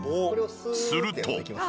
すると。